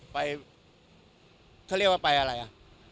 ไปเขาเรียกว่าไปอะไรอ่ะ